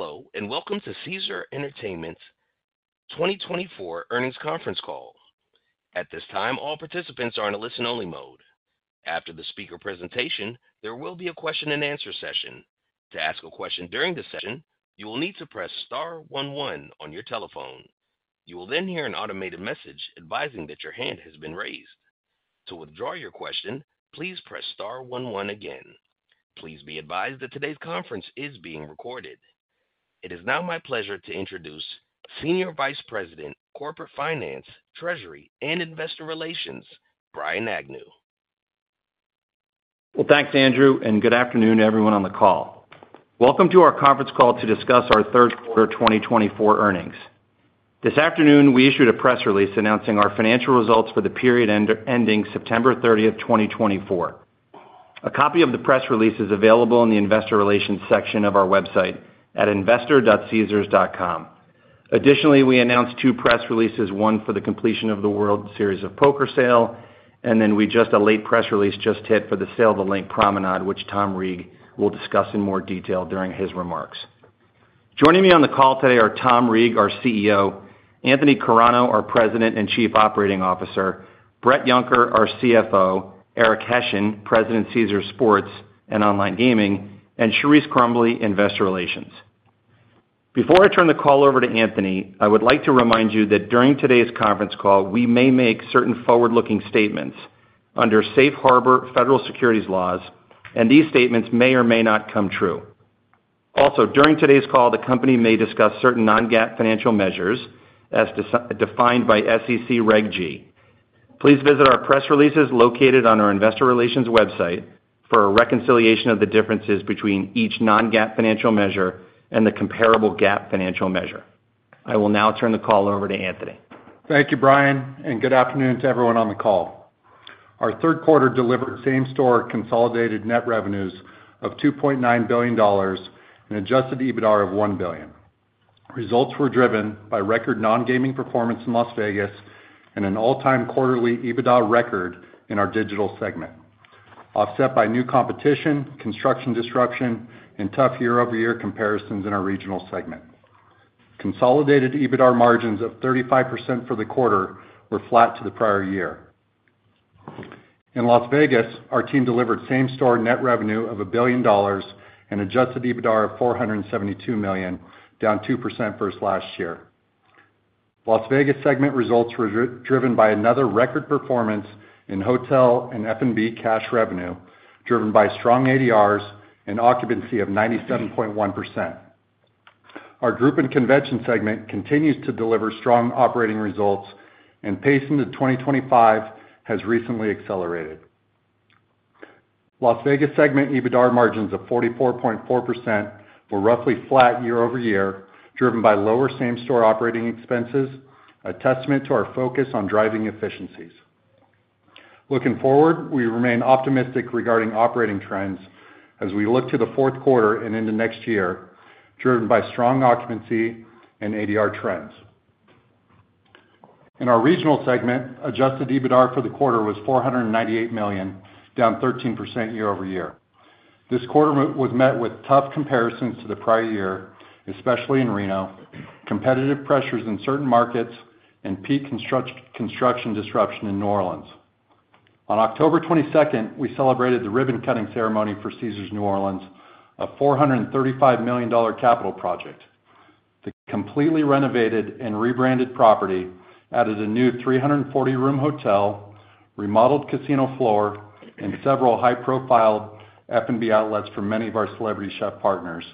Hello, and welcome to Caesars Entertainment's 2024 earnings conference call. At this time, all participants are in a listen-only mode. After the speaker presentation, there will be a question-and-answer session. To ask a question during the session, you will need to press star one one on your telephone. You will then hear an automated message advising that your hand has been raised. To withdraw your question, please press star one one again. Please be advised that today's conference is being recorded. It is now my pleasure to introduce Senior Vice President, Corporate Finance, Treasury, and Investor Relations, Brian Agnew. Thanks, Andrew, and good afternoon to everyone on the call. Welcome to our conference call to discuss our third quarter 2024 earnings. This afternoon, we issued a press release announcing our financial results for the period ending September 30th, 2024. A copy of the press release is available in the Investor Relations section of our website at investor.caesars.com. Additionally, we announced two press releases, one for the completion of the World Series of Poker sale, and then a late press release just hit for the sale of the LINQ Promenade, which Tom Reeg will discuss in more detail during his remarks. Joining me on the call today are Tom Reeg, our CEO; Anthony Carano, our President and Chief Operating Officer; Bret Yunker, our CFO; Eric Hession, President, Caesars Sports and Online Gaming; and Charise Crumbley, Investor Relations. Before I turn the call over to Anthony, I would like to remind you that during today's conference call, we may make certain forward-looking statements under safe harbor federal securities laws, and these statements may or may not come true. Also, during today's call, the company may discuss certain non-GAAP financial measures as defined by SEC Reg G. Please visit our press releases located on our Investor Relations website for a reconciliation of the differences between each non-GAAP financial measure and the comparable GAAP financial measure. I will now turn the call over to Anthony. Thank you, Brian, and good afternoon to everyone on the call. Our third quarter delivered same-store consolidated net revenues of $2.9 billion and Adjusted EBITDA of $1 billion. Results were driven by record non-gaming performance in Las Vegas and an all-time quarterly EBITDA record in our digital segment, offset by new competition, construction disruption, and tough year-over-year comparisons in our regional segment. Consolidated EBITDA margins of 35% for the quarter were flat to the prior year. In Las Vegas, our team delivered same-store net revenue of $1 billion and Adjusted EBITDA of $472 million, down 2% versus last year. Las Vegas segment results were driven by another record performance in hotel and F&B cash revenue, driven by strong ADRs and occupancy of 97.1%. Our group and convention segment continues to deliver strong operating results, and pace into 2025 has recently accelerated. Las Vegas segment EBITDA margins of 44.4% were roughly flat year-over-year, driven by lower same-store operating expenses, a testament to our focus on driving efficiencies. Looking forward, we remain optimistic regarding operating trends as we look to the fourth quarter and into next year, driven by strong occupancy and ADR trends. In our regional segment, Adjusted EBITDA for the quarter was $498 million, down 13% year-over-year. This quarter was met with tough comparisons to the prior year, especially in Reno, competitive pressures in certain markets, and peak construction disruption in New Orleans. On October 22nd, we celebrated the ribbon-cutting ceremony for Caesars New Orleans, a $435 million capital project. The completely renovated and rebranded property added a new 340-room hotel, remodeled casino floor, and several high-profile F&B outlets for many of our celebrity chef partners,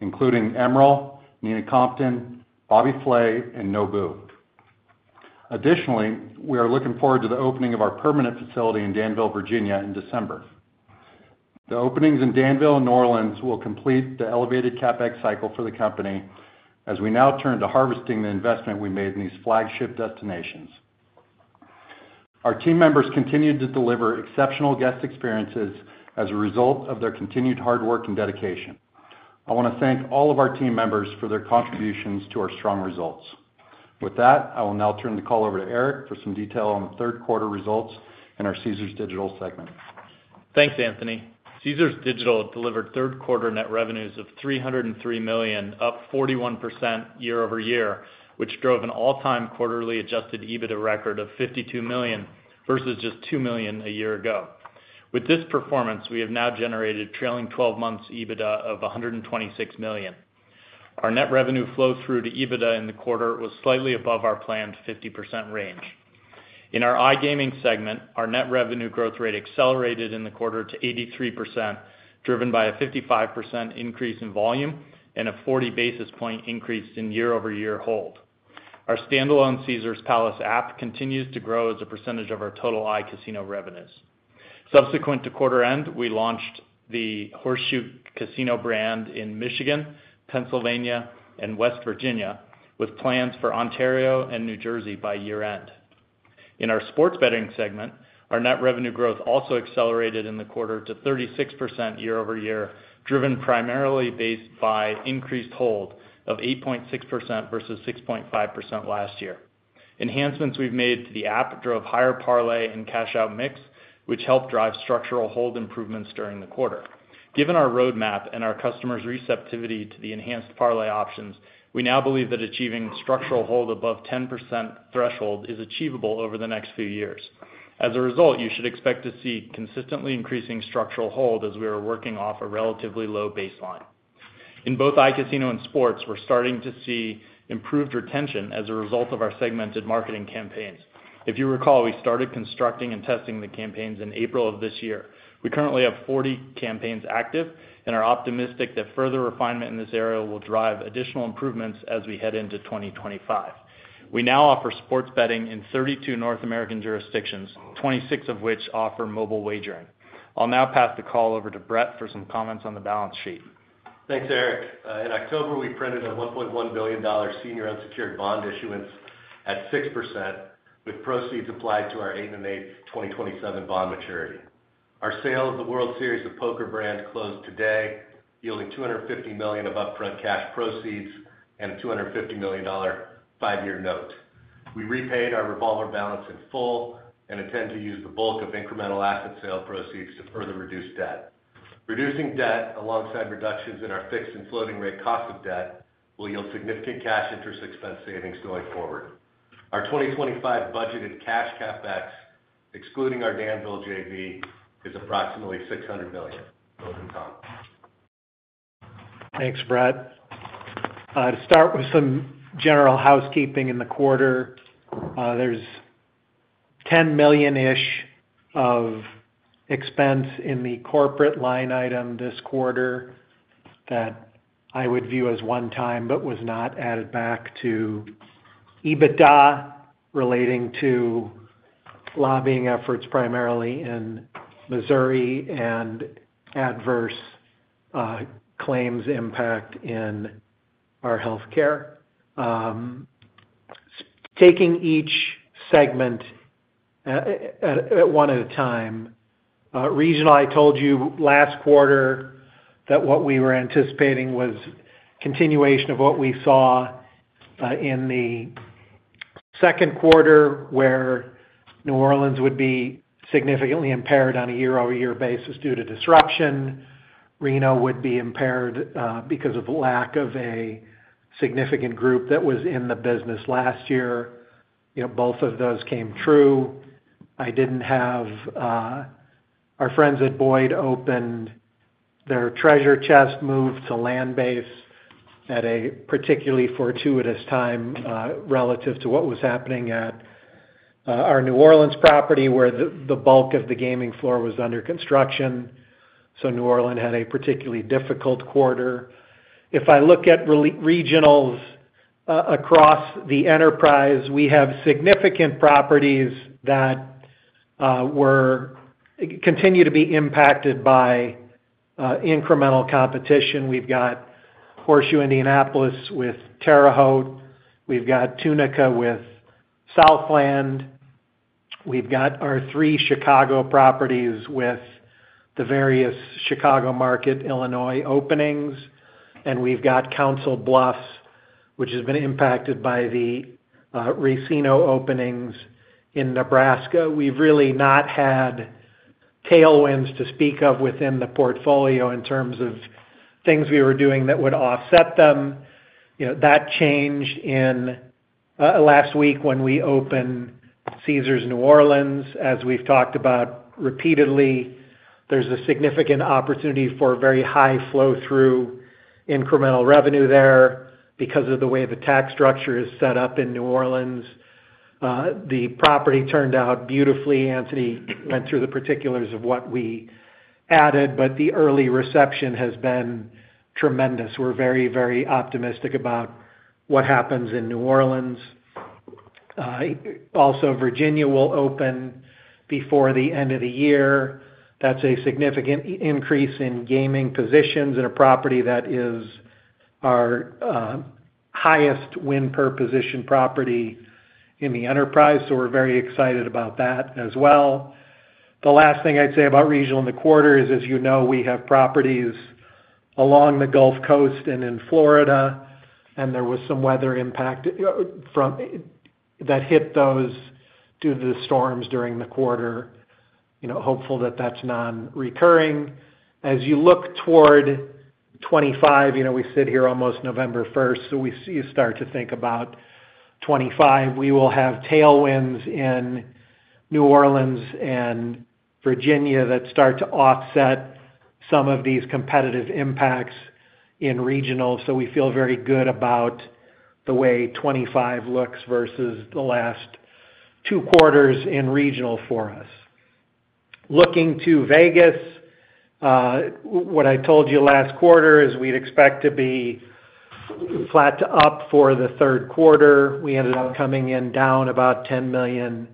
including Emeril, Nina Compton, Bobby Flay, and Nobu. Additionally, we are looking forward to the opening of our permanent facility in Danville, Virginia, in December. The openings in Danville, New Orleans, will complete the elevated CapEx cycle for the company, as we now turn to harvesting the investment we made in these flagship destinations. Our team members continue to deliver exceptional guest experiences as a result of their continued hard work and dedication. I want to thank all of our team members for their contributions to our strong results. With that, I will now turn the call over to Eric for some detail on the third quarter results in our Caesars Digital segment. Thanks, Anthony. Caesars Digital delivered third quarter net revenues of $303 million, up 41% year-over-year, which drove an all-time quarterly Adjusted EBITDA record of $52 million versus just $2 million a year ago. With this performance, we have now generated trailing 12 months' EBITDA of $126 million. Our net revenue flow-through to EBITDA in the quarter was slightly above our planned 50% range. In our iGaming segment, our net revenue growth rate accelerated in the quarter to 83%, driven by a 55% increase in volume and a 40 basis point increase in year-over-year hold. Our standalone Caesars Palace app continues to grow as a percentage of our total iCasino revenues. Subsequent to quarter end, we launched the Horseshoe Casino brand in Michigan, Pennsylvania, and West Virginia, with plans for Ontario and New Jersey by year-end. In our sports betting segment, our net revenue growth also accelerated in the quarter to 36% year-over-year, driven primarily based by increased hold of 8.6% versus 6.5% last year. Enhancements we've made to the app drove higher parlay and cash-out mix, which helped drive structural hold improvements during the quarter. Given our roadmap and our customers' receptivity to the enhanced parlay options, we now believe that achieving structural hold above 10% threshold is achievable over the next few years. As a result, you should expect to see consistently increasing structural hold as we are working off a relatively low baseline. In both iCasino and sports, we're starting to see improved retention as a result of our segmented marketing campaigns. If you recall, we started constructing and testing the campaigns in April of this year. We currently have 40 campaigns active and are optimistic that further refinement in this area will drive additional improvements as we head into 2025. We now offer sports betting in 32 North American jurisdictions, 26 of which offer mobile wagering. I'll now pass the call over to Bret for some comments on the balance sheet. Thanks, Eric. In October, we printed a $1.1 billion senior unsecured bond issuance at 6%, with proceeds applied to our 8% and 8 1/8% 2027 bond maturity. Our sale of the World Series of Poker brand closed today, yielding $250 million of upfront cash proceeds and a $250 million five-year note. We repaid our revolver balance in full and intend to use the bulk of incremental asset sale proceeds to further reduce debt. Reducing debt, alongside reductions in our fixed and floating rate cost of debt, will yield significant cash interest expense savings going forward. Our 2025 budgeted cash CapEx, excluding our Danville JV, is approximately $600 million. Welcome, Tom. Thanks, Bret. To start with some general housekeeping in the quarter, there's $10 million-ish of expense in the corporate line item this quarter that I would view as one-time but was not added back to EBITDA relating to lobbying efforts primarily in Missouri and adverse claims impact in our healthcare. Taking each segment one at a time, regional. I told you last quarter that what we were anticipating was continuation of what we saw in the second quarter, where New Orleans would be significantly impaired on a year-over-year basis due to disruption. Reno would be impaired because of the lack of a significant group that was in the business last year. Both of those came true. I didn't have our friends at Boyd opened their Treasure Chest move to land-based at a particularly fortuitous time relative to what was happening at our New Orleans property, where the bulk of the gaming floor was under construction. So New Orleans had a particularly difficult quarter. If I look at regionals across the enterprise, we have significant properties that continue to be impacted by incremental competition. We've got Horseshoe Indianapolis with Terre Haute. We've got Tunica with Southland. We've got our three Chicago properties with the various Chicago-market Illinois openings. And we've got Council Bluffs, which has been impacted by the racino openings in Nebraska. We've really not had tailwinds to speak of within the portfolio in terms of things we were doing that would offset them. That changed last week when we opened Caesars New Orleans. As we've talked about repeatedly, there's a significant opportunity for very high flow-through incremental revenue there because of the way the tax structure is set up in New Orleans. The property turned out beautifully. Anthony went through the particulars of what we added, but the early reception has been tremendous. We're very, very optimistic about what happens in New Orleans. Also, Virginia will open before the end of the year. That's a significant increase in gaming positions and a property that is our highest win per position property in the enterprise. So we're very excited about that as well. The last thing I'd say about regional in the quarter is, as you know, we have properties along the Gulf Coast and in Florida, and there was some weather impact that hit those due to the storms during the quarter. Hopeful that that's non-recurring. As you look toward 2025, we sit here almost November 1st, so you start to think about 2025. We will have tailwinds in New Orleans and Virginia that start to offset some of these competitive impacts in regional. So we feel very good about the way 2025 looks versus the last two quarters in regional for us. Looking to Vegas, what I told you last quarter is we'd expect to be flat to up for the third quarter. We ended up coming in down about $10 million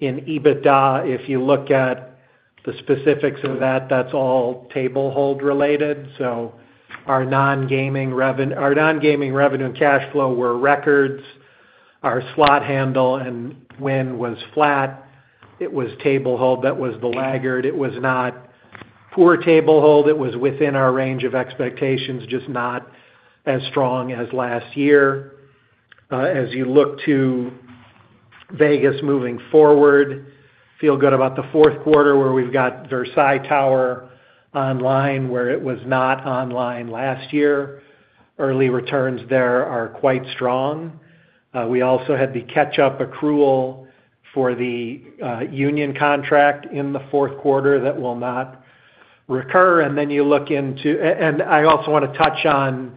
in EBITDA. If you look at the specifics of that, that's all table hold related. So our non-gaming revenue and cash flow were records. Our slot handle and win was flat. It was table hold that was the laggard. It was not poor table hold. It was within our range of expectations, just not as strong as last year. As you look to Vegas moving forward, feel good about the fourth quarter where we've got Versailles Tower online where it was not online last year. Early returns there are quite strong. We also had the catch-up accrual for the union contract in the fourth quarter that will not recur. And then you look into, and I also want to touch on,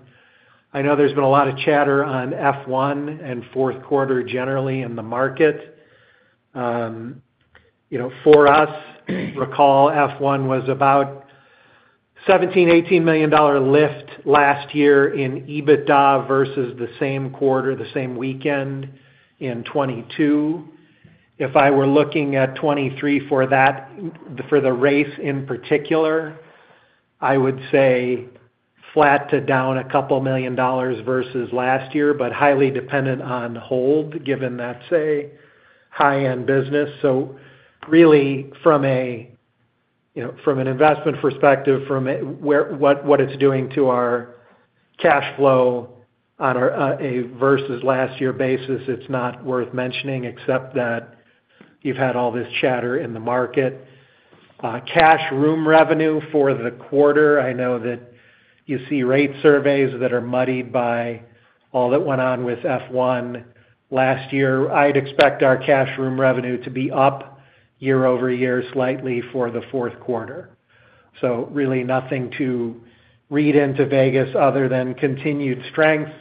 I know there's been a lot of chatter on F1 and fourth quarter generally in the market. For us, recall F1 was about $17 million-$18 million lift last year in EBITDA versus the same quarter, the same weekend in 2022. If I were looking at 2023 for the race in particular, I would say flat to down a couple million dollars versus last year, but highly dependent on hold given that's a high-end business. So really, from an investment perspective, from what it's doing to our cash flow versus last year basis, it's not worth mentioning except that you've had all this chatter in the market. Casino revenue for the quarter, I know that you see rate surveys that are muddied by all that went on with F1 last year. I'd expect our casino revenue to be up year-over-year slightly for the fourth quarter. So really nothing to read into Vegas other than continued strength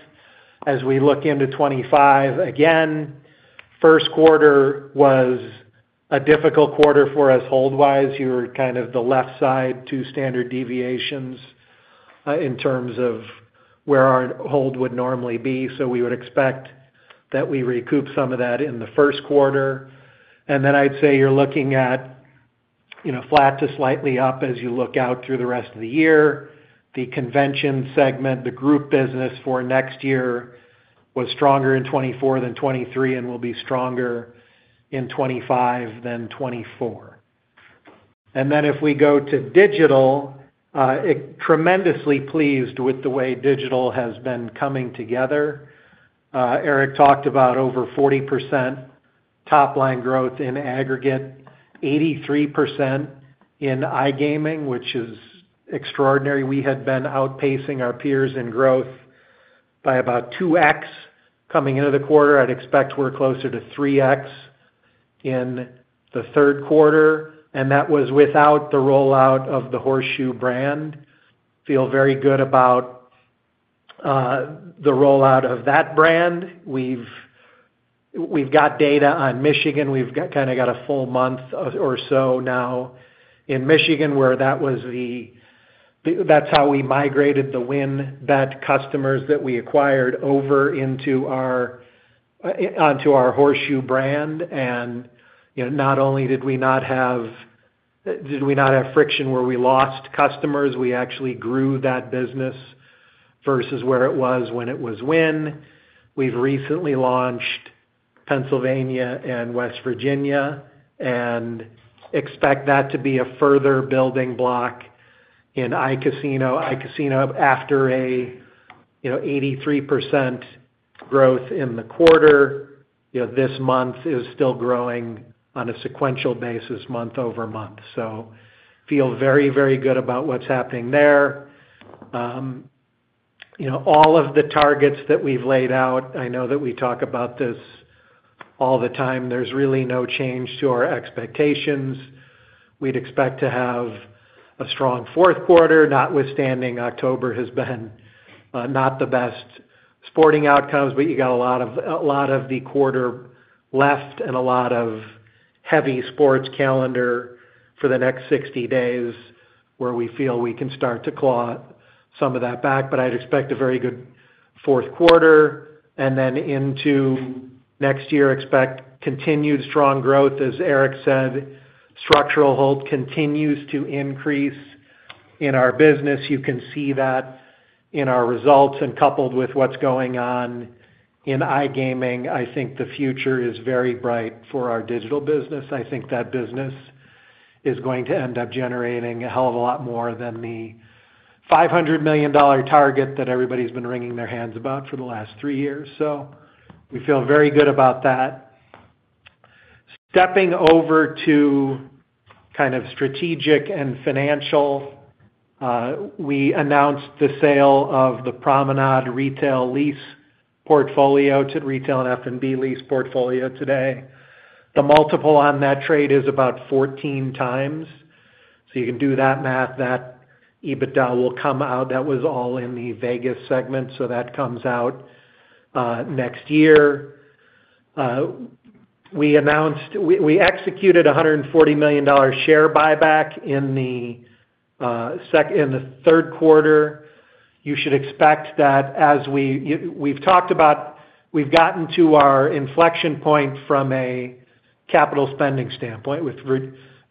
as we look into 2025. Again, first quarter was a difficult quarter for us hold-wise. You were kind of two standard deviations in terms of where our hold would normally be. So we would expect that we recoup some of that in the first quarter. And then I'd say you're looking at flat to slightly up as you look out through the rest of the year. The convention segment, the group business for next year was stronger in 2024 than 2023 and will be stronger in 2025 than 2024. And then if we go to digital, tremendously pleased with the way digital has been coming together. Eric talked about over 40% top-line growth in aggregate, 83% in iGaming, which is extraordinary. We had been outpacing our peers in growth by about 2X coming into the quarter. I'd expect we're closer to 3X in the third quarter. And that was without the rollout of the Horseshoe brand. Feel very good about the rollout of that brand. We've got data on Michigan. We've kind of got a full month or so now in Michigan where that's how we migrated the WynnBET customers that we acquired over into our Horseshoe brand. And not only did we not have friction where we lost customers, we actually grew that business versus where it was when it was WynnBET. We've recently launched Pennsylvania and West Virginia and expect that to be a further building block in iCasino. iCasino, after an 83% growth in the quarter, this month is still growing on a sequential basis month over month. So feel very, very good about what's happening there. All of the targets that we've laid out, I know that we talk about this all the time. There's really no change to our expectations. We'd expect to have a strong fourth quarter. Notwithstanding, October has been not the best sporting outcomes, but you got a lot of the quarter left and a lot of heavy sports calendar for the next 60 days where we feel we can start to claw some of that back. But I'd expect a very good fourth quarter. And then into next year, expect continued strong growth. As Eric said, structural hold continues to increase in our business. You can see that in our results. And coupled with what's going on in iGaming, I think the future is very bright for our digital business. I think that business is going to end up generating a hell of a lot more than the $500 million target that everybody's been wringing their hands about for the last three years. So we feel very good about that. Stepping over to kind of strategic and financial, we announced the sale of the LINQ Promenade Retail Lease portfolio and Retail and F&B Lease portfolio today. The multiple on that trade is about 14 times. So you can do that math. That EBITDA will come out. That was all in the Vegas segment. So that comes out next year. We executed a $140 million share buyback in the third quarter. You should expect that as we've talked about, we've gotten to our inflection point from a capital spending standpoint. With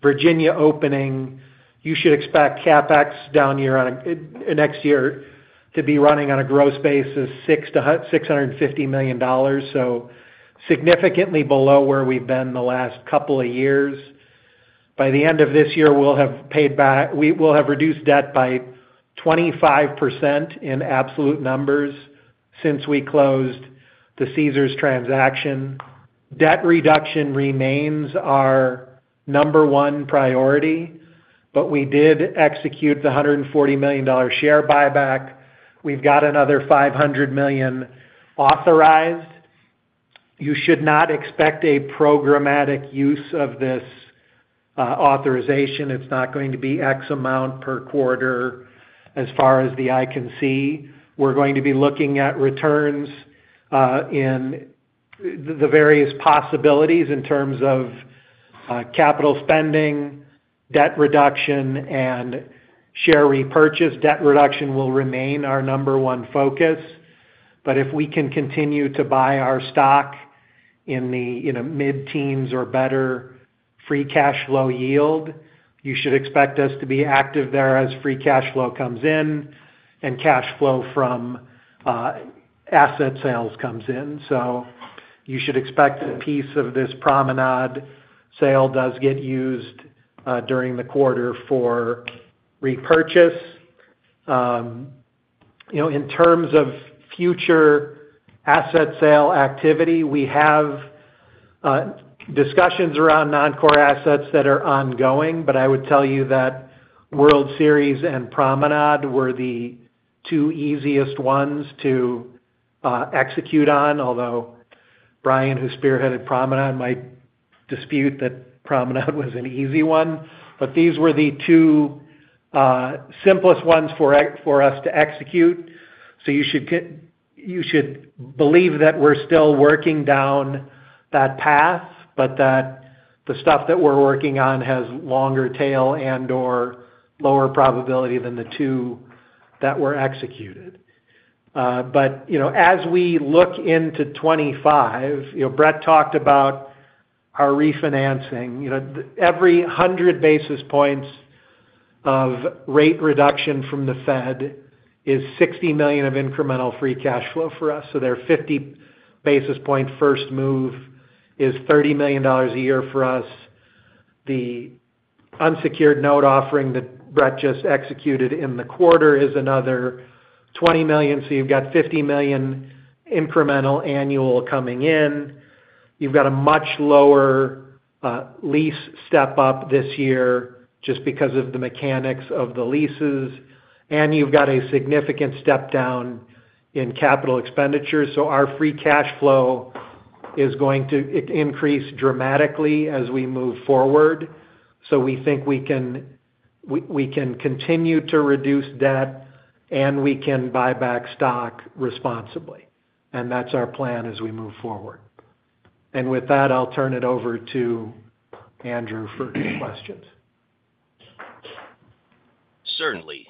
Virginia opening, you should expect CapEx down year-over-year to be running on a gross basis $650 million. So significantly below where we've been the last couple of years. By the end of this year, we'll have paid back. We will have reduced debt by 25% in absolute numbers since we closed the Caesars transaction. Debt reduction remains our number one priority, but we did execute the $140 million share buyback. We've got another $500 million authorized. You should not expect a programmatic use of this authorization. It's not going to be X amount per quarter as far as the eye can see. We're going to be looking at returns in the various possibilities in terms of capital spending, debt reduction, and share repurchase. Debt reduction will remain our number one focus. But if we can continue to buy our stock in the mid-teens or better free cash flow yield, you should expect us to be active there as free cash flow comes in and cash flow from asset sales comes in. So you should expect a piece of this Promenade sale does get used during the quarter for repurchase. In terms of future asset sale activity, we have discussions around non-core assets that are ongoing. But I would tell you that World Series and Promenade were the two easiest ones to execute on, although Brian, who spearheaded Promenade, might dispute that Promenade was an easy one. But these were the two simplest ones for us to execute. So you should believe that we're still working down that path, but that the stuff that we're working on has longer tail and/or lower probability than the two that were executed. But as we look into 2025, Bret talked about our refinancing. Every 100 basis points of rate reduction from the Fed is $60 million of incremental free cash flow for us. So their 50 basis point first move is $30 million a year for us. The unsecured note offering that Bret just executed in the quarter is another $20 million. So you've got $50 million incremental annual coming in. You've got a much lower lease step up this year just because of the mechanics of the leases. And you've got a significant step down in capital expenditure. So our free cash flow is going to increase dramatically as we move forward. So we think we can continue to reduce debt and we can buy back stock responsibly. And that's our plan as we move forward. And with that, I'll turn it over to Andrew for questions. Certainly.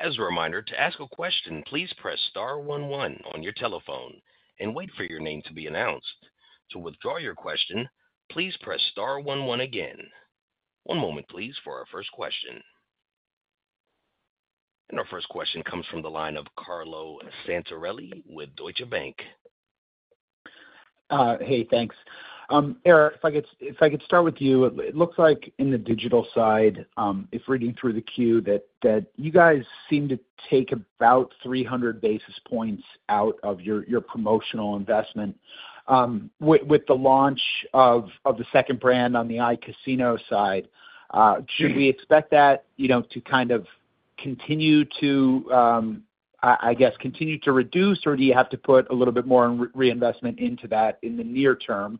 As a reminder, to ask a question, please press star one one on your telephone and wait for your name to be announced. To withdraw your question, please press star one one again. One moment, please, for our first question. Our first question comes from the line of Carlo Santarelli with Deutsche Bank. Hey, thanks. Eric, if I could start with you, it looks like in the digital side, if reading through the queue, that you guys seem to take about 300 basis points out of your promotional investment with the launch of the second brand on the iCasino side. Should we expect that to kind of continue to, I guess, continue to reduce, or do you have to put a little bit more reinvestment into that in the near term?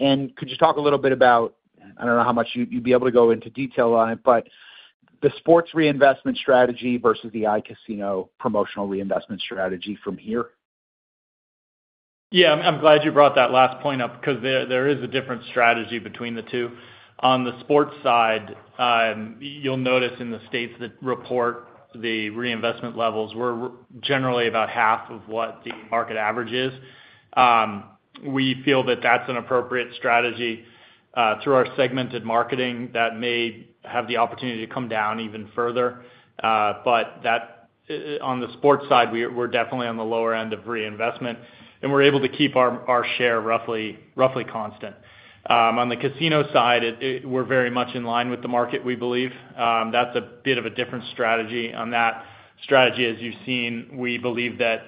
And could you talk a little bit about, I don't know how much you'd be able to go into detail on it, but the sports reinvestment strategy versus the iCasino promotional reinvestment strategy from here? Yeah, I'm glad you brought that last point up because there is a different strategy between the two. On the sports side, you'll notice in the states that report the reinvestment levels were generally about half of what the market average is. We feel that that's an appropriate strategy through our segmented marketing that may have the opportunity to come down even further. But on the sports side, we're definitely on the lower end of reinvestment, and we're able to keep our share roughly constant. On the casino side, we're very much in line with the market, we believe. That's a bit of a different strategy. On that strategy, as you've seen, we believe that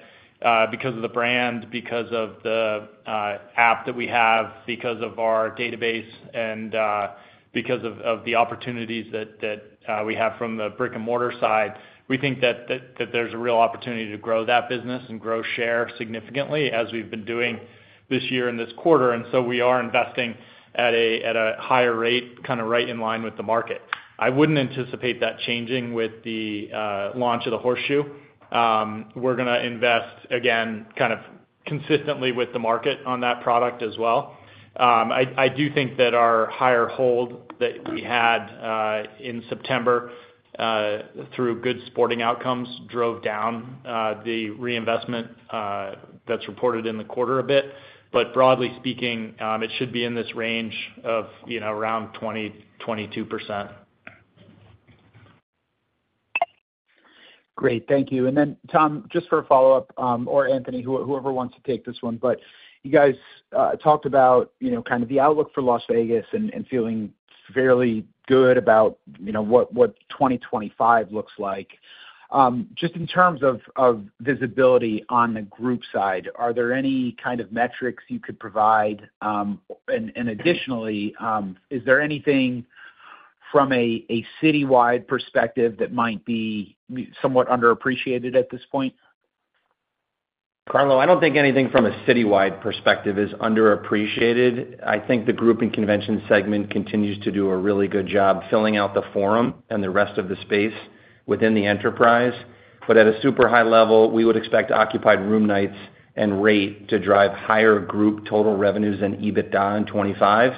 because of the brand, because of the app that we have, because of our database, and because of the opportunities that we have from the brick-and-mortar side, we think that there's a real opportunity to grow that business and grow share significantly, as we've been doing this year and this quarter. And so we are investing at a higher rate, kind of right in line with the market. I wouldn't anticipate that changing with the launch of the Horseshoe. We're going to invest, again, kind of consistently with the market on that product as well. I do think that our higher hold that we had in September through good sporting outcomes drove down the reinvestment that's reported in the quarter a bit. But broadly speaking, it should be in this range of around 20%-22%. Great. Thank you. And then, Tom, just for a follow-up, or Anthony, whoever wants to take this one, but you guys talked about kind of the outlook for Las Vegas and feeling fairly good about what 2025 looks like. Just in terms of visibility on the group side, are there any kind of metrics you could provide? And additionally, is there anything from a citywide perspective that might be somewhat underappreciated at this point? Carlo, I don't think anything from a citywide perspective is underappreciated. I think the group and convention segment continues to do a really good job filling out the Forum and the rest of the space within the enterprise, but at a super high level, we would expect occupied room nights and rate to drive higher group total revenues and EBITDA in 2025,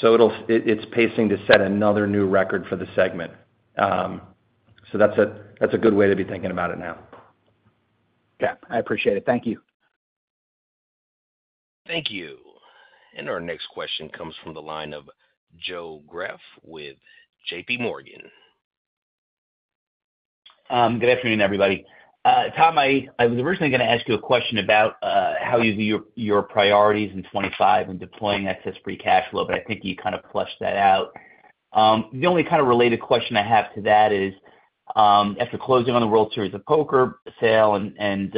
so it's pacing to set another new record for the segment, so that's a good way to be thinking about it now. Yeah. I appreciate it. Thank you. Thank you. And our next question comes from the line of Joe Greff with JPMorgan. Good afternoon, everybody. Tom, I was originally going to ask you a question about how you view your priorities in 2025 and deploying excess free cash flow, but I think you kind of fleshed that out. The only kind of related question I have to that is after closing on the World Series of Poker sale and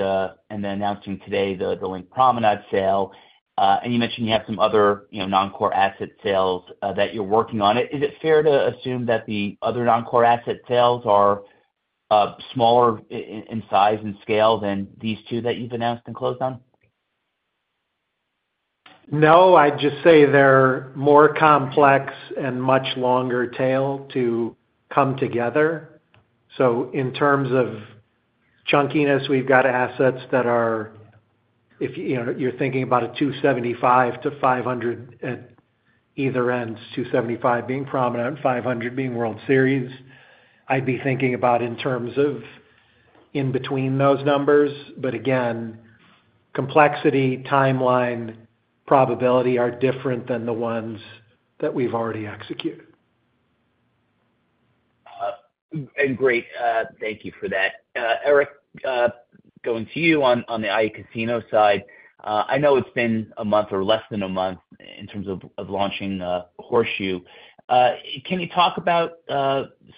announcing today the LINQ Promenade sale, and you mentioned you have some other non-core asset sales that you're working on. Is it fair to assume that the other non-core asset sales are smaller in size and scale than these two that you've announced and closed on? No, I'd just say they're more complex and much longer tail to come together. So in terms of chunkiness, we've got assets that are, if you're thinking about a $275 to $500 at either end, $275 being Promenade, $500 being World Series, I'd be thinking about in terms of in between those numbers. But again, complexity, timeline, probability are different than the ones that we've already executed. Great. Thank you for that. Eric, going to you on the iCasino side, I know it's been a month or less than a month in terms of launching Horseshoe. Can you talk about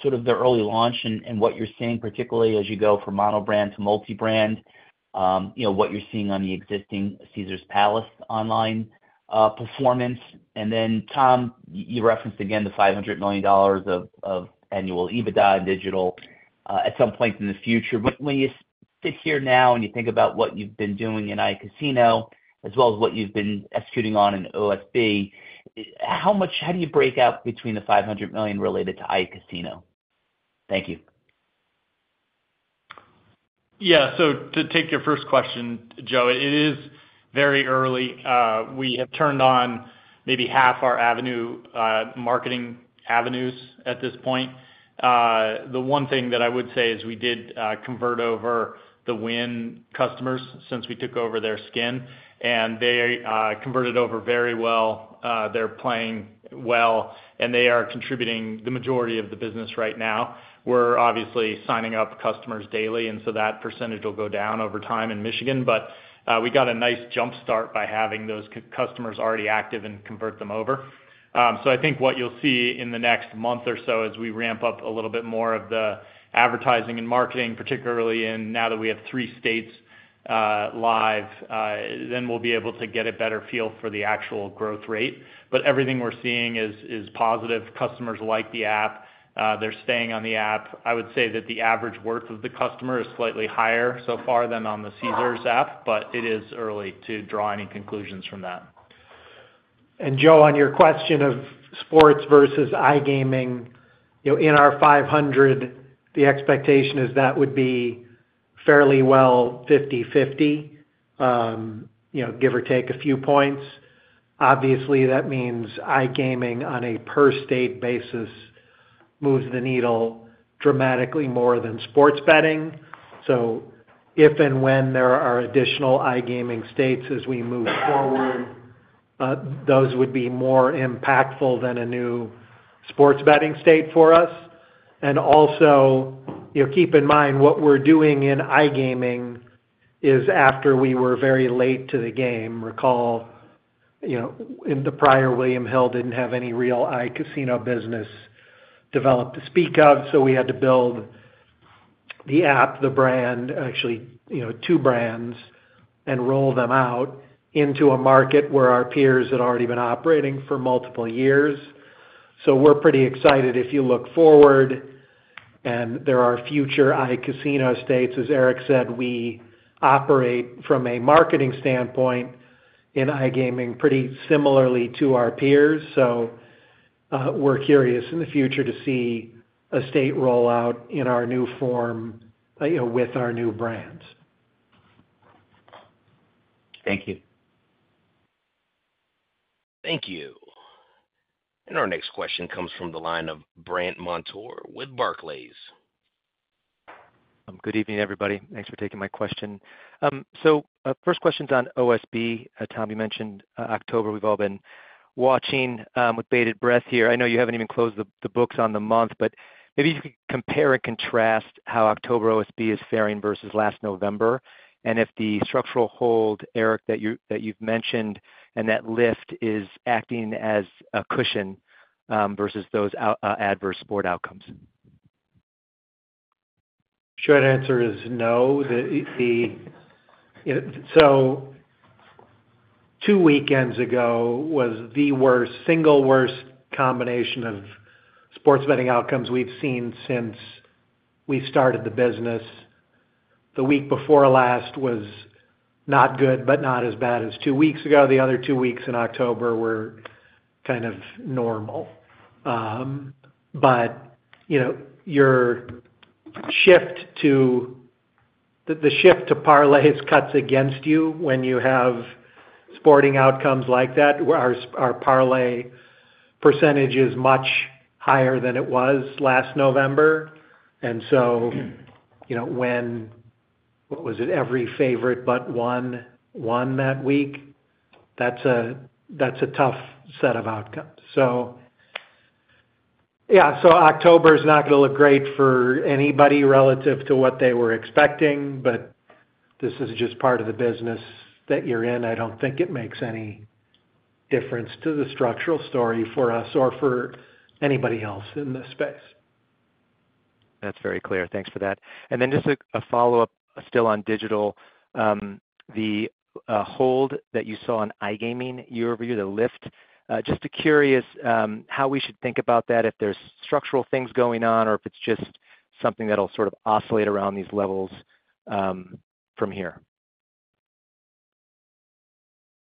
sort of the early launch and what you're seeing, particularly as you go from monobrand to multibrand, what you're seeing on the existing Caesars Palace online performance? And then, Tom, you referenced again the $500 million of annual EBITDA and digital at some point in the future. But when you sit here now and you think about what you've been doing in iCasino, as well as what you've been executing on in OSB, how do you break out between the 500 million related to iCasino? Thank you. Yeah. So to take your first question, Joe, it is very early. We have turned on maybe half our marketing avenues at this point. The one thing that I would say is we did convert over the Wynn customers since we took over their skin, and they converted over very well. They're playing well, and they are contributing the majority of the business right now. We're obviously signing up customers daily, and so that percentage will go down over time in Michigan. But we got a nice jumpstart by having those customers already active and convert them over. So I think what you'll see in the next month or so as we ramp up a little bit more of the advertising and marketing, particularly now that we have three states live, then we'll be able to get a better feel for the actual growth rate. Everything we're seeing is positive. Customers like the app. They're staying on the app. I would say that the average worth of the customer is slightly higher so far than on the Caesars app, but it is early to draw any conclusions from that. And Joe, on your question of sports versus iGaming, in our iGaming, the expectation is that would be fairly well 50/50, give or take a few points. Obviously, that means iGaming on a per-state basis moves the needle dramatically more than sports betting. So if and when there are additional iGaming states as we move forward, those would be more impactful than a new sports betting state for us. And also, keep in mind what we're doing in iGaming is after we were very late to the game. Recall, in the prior, William Hill didn't have any real iCasino business developed to speak of, so we had to build the app, the brand, actually two brands, and roll them out into a market where our peers had already been operating for multiple years, so we're pretty excited if you look forward, and there are future iCasino states, as Eric said, we operate from a marketing standpoint in iGaming pretty similarly to our peers, so we're curious in the future to see a state roll out in our new form with our new brands. Thank you. Thank you. And our next question comes from the line of Brandt Montour with Barclays. Good evening, everybody. Thanks for taking my question. So first question's on OSB. Tom, you mentioned October. We've all been watching with bated breath here. I know you haven't even closed the books on the month, but maybe you could compare and contrast how October OSB is faring versus last November and if the structural hold, Eric, that you've mentioned and that lift is acting as a cushion versus those adverse sports outcomes? Short answer is no. So two weekends ago was the worst, single worst combination of sports betting outcomes we've seen since we started the business. The week before last was not good, but not as bad as two weeks ago. The other two weeks in October were kind of normal. But your shift to parlays cuts against you when you have sporting outcomes like that, our parlay percentage is much higher than it was last November. And so what was it? Every favorite but won that week. That's a tough set of outcomes. So yeah, so October is not going to look great for anybody relative to what they were expecting, but this is just part of the business that you're in. I don't think it makes any difference to the structural story for us or for anybody else in this space. That's very clear. Thanks for that, and then just a follow-up still on digital. The hold that you saw on iGaming year-over-year, the lift, just curious how we should think about that if there's structural things going on or if it's just something that'll sort of oscillate around these levels from here?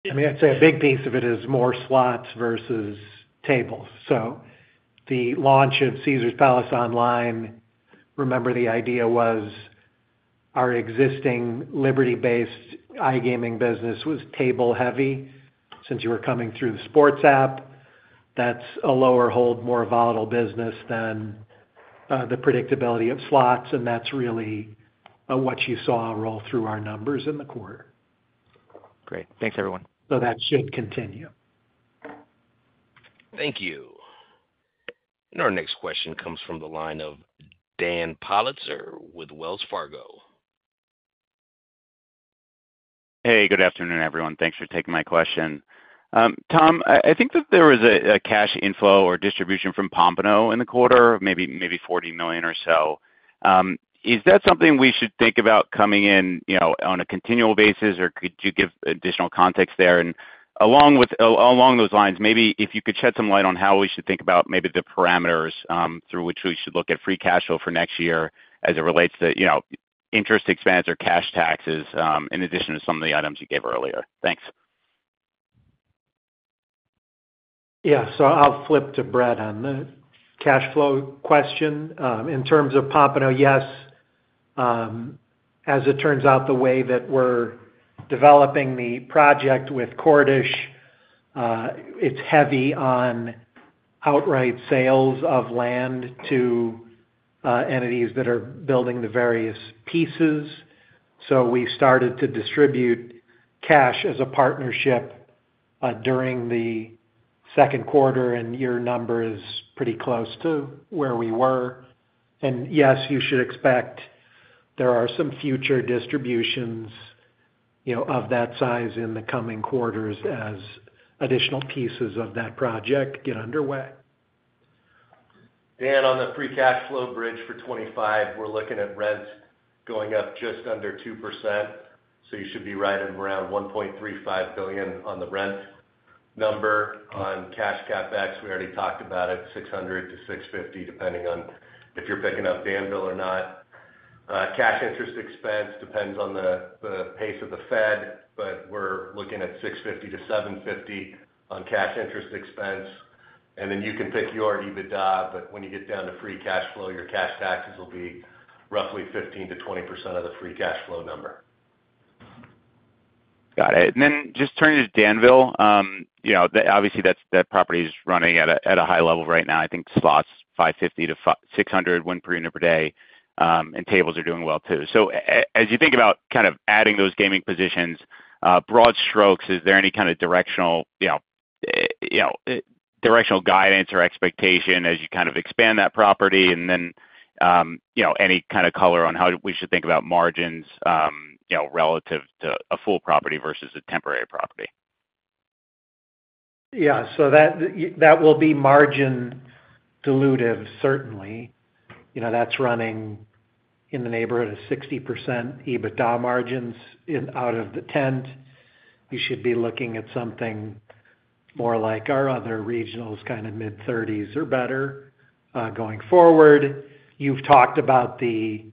I mean, I'd say a big piece of it is more slots versus tables. So the launch of Caesars Palace Online, remember the idea was our existing Liberty-based iGaming business was table-heavy since you were coming through the sports app. That's a lower hold, more volatile business than the predictability of slots, and that's really what you saw roll through our numbers in the quarter. Great. Thanks, everyone. So that should continue. Thank you. And our next question comes from the line of Dan Politzer with Wells Fargo. Hey, good afternoon, everyone. Thanks for taking my question. Tom, I think that there was a cash inflow or distribution from Pompano in the quarter, maybe $40 million or so. Is that something we should think about coming in on a continual basis, or could you give additional context there? And along those lines, maybe if you could shed some light on how we should think about maybe the parameters through which we should look at free cash flow for next year as it relates to interest expense or cash taxes in addition to some of the items you gave earlier. Thanks. Yeah. So I'll flip to Bret on the cash flow question. In terms of Pompano, yes. As it turns out, the way that we're developing the project with Cordish, it's heavy on outright sales of land to entities that are building the various pieces. So we started to distribute cash as a partnership during the second quarter, and your number is pretty close to where we were. And yes, you should expect there are some future distributions of that size in the coming quarters as additional pieces of that project get underway. Dan, on the free cash flow bridge for 2025, we're looking at rent going up just under 2%. So you should be right at around $1.35 billion on the rent number. On cash CapEx, we already talked about it, $600 million-$650 million, depending on if you're picking up Danville or not. Cash interest expense depends on the pace of the Fed, but we're looking at $650 million-$750 million on cash interest expense. And then you can pick your EBITDA, but when you get down to free cash flow, your cash taxes will be roughly 15%-20% of the free cash flow number. Got it, and then just turning to Danville, obviously, that property is running at a high level right now. I think slots 550-600, one per unit per day, and tables are doing well too, so as you think about kind of adding those gaming positions, broad strokes, is there any kind of directional guidance or expectation as you kind of expand that property, and then any kind of color on how we should think about margins relative to a full property versus a temporary property? Yeah. So that will be margin dilutive, certainly. That's running in the neighborhood of 60% EBITDA margins out of the tent. You should be looking at something more like our other regionals, kind of mid-30s or better going forward. You've talked about the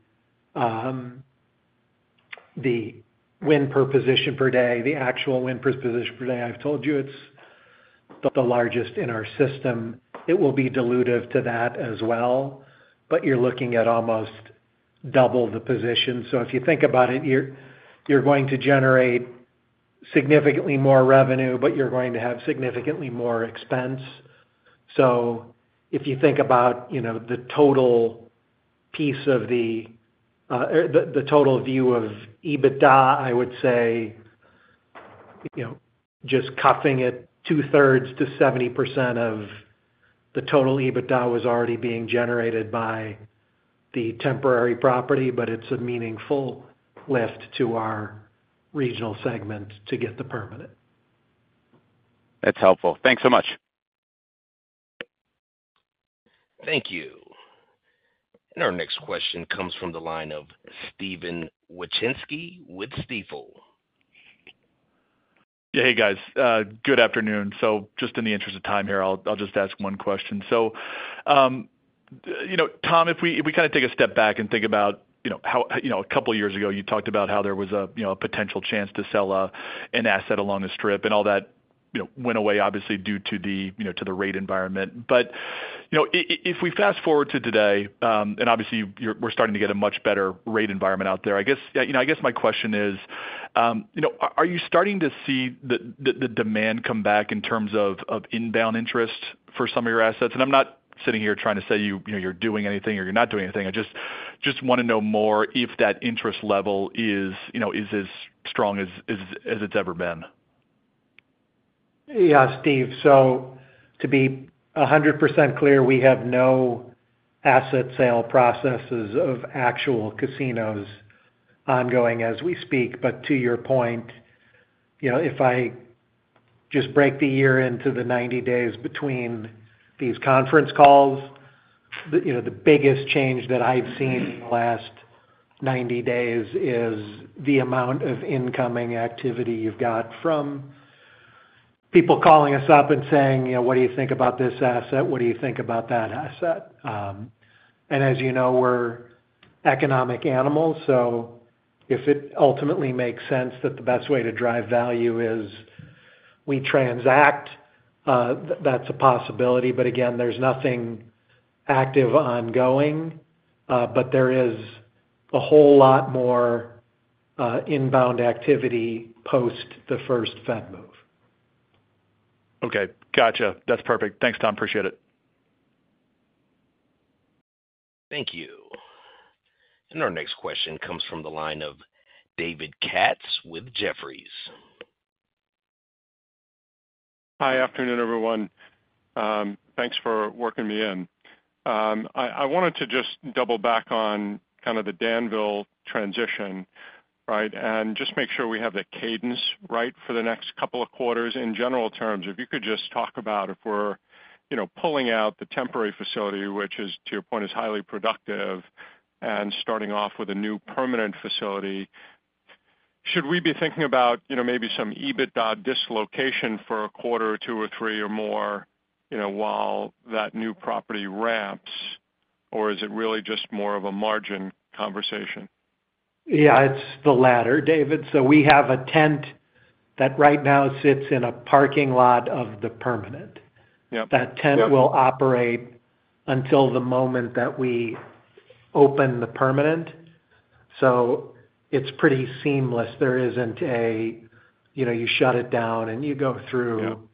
win per position per day, the actual win per position per day. I've told you it's the largest in our system. It will be dilutive to that as well, but you're looking at almost double the position. So if you think about it, you're going to generate significantly more revenue, but you're going to have significantly more expense. So if you think about the total piece of the total view of EBITDA, I would say just cuffing it two-thirds to 70% of the total EBITDA was already being generated by the temporary property, but it's a meaningful lift to our regional segment to get the permanent. That's helpful. Thanks so much. Thank you. And our next question comes from the line of Steve Wieczynski with Stifel. Yeah. Hey, guys. Good afternoon. So just in the interest of time here, I'll just ask one question. So Tom, if we kind of take a step back and think about how a couple of years ago, you talked about how there was a potential chance to sell an asset along the Strip, and all that went away, obviously, due to the rate environment. But if we fast forward to today, and obviously, we're starting to get a much better rate environment out there, I guess my question is, are you starting to see the demand come back in terms of inbound interest for some of your assets? And I'm not sitting here trying to say you're doing anything or you're not doing anything. I just want to know more if that interest level is as strong as it's ever been. Yeah, Steve. So to be 100% clear, we have no asset sale processes of actual casinos ongoing as we speak. But to your point, if I just break the year into the 90 days between these conference calls, the biggest change that I've seen in the last 90 days is the amount of incoming activity you've got from people calling us up and saying, "What do you think about this asset? What do you think about that asset?" And as you know, we're economic animals. So if it ultimately makes sense that the best way to drive value is we transact, that's a possibility. But again, there's nothing active ongoing, but there is a whole lot more inbound activity post the first Fed move. Okay. Gotcha. That's perfect. Thanks, Tom. Appreciate it. Thank you. And our next question comes from the line of David Katz with Jefferies. Hi, afternoon, everyone. Thanks for working me in. I wanted to just double back on kind of the Danville transition, right, and just make sure we have the cadence right for the next couple of quarters in general terms. If you could just talk about if we're pulling out the temporary facility, which is, to your point, highly productive, and starting off with a new permanent facility, should we be thinking about maybe some EBITDA dislocation for a quarter or two or three or more while that new property ramps, or is it really just more of a margin conversation? Yeah, it's the latter, David. So we have a tent that right now sits in a parking lot of the permanent. That tent will operate until the moment that we open the permanent. So it's pretty seamless. There isn't a you shut it down and you go through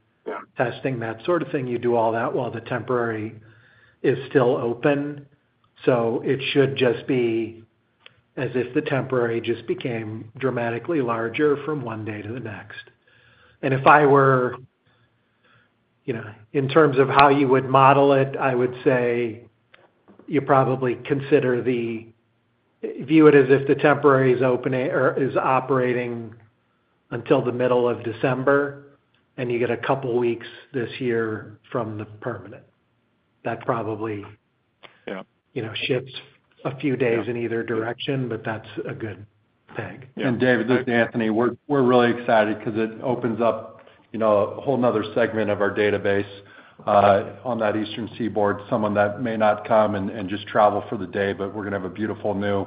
testing, that sort of thing. You do all that while the temporary is still open. So it should just be as if the temporary just became dramatically larger from one day to the next. And if I were in terms of how you would model it, I would say you probably consider the view it as if the temporary is operating until the middle of December, and you get a couple of weeks this year from the permanent. That probably shifts a few days in either direction, but that's a good thing. And David, this is Anthony. We're really excited because it opens up a whole nother segment of our database on that Eastern Seaboard, someone that may not come and just travel for the day, but we're going to have a beautiful new